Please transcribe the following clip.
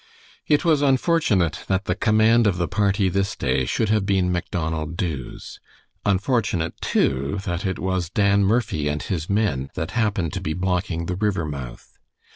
It was unfortunate that the command of the party this day should have been Macdonald Dubh's. Unfortunate, too, that it was Dan Murphy and his men that happened to be blocking the river mouth.